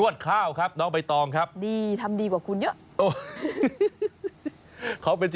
อ๋อทหารนวดอะไรตกลง